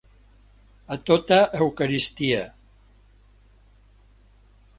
A tota eucaristia.